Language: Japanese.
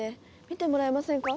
見てもらえませんか？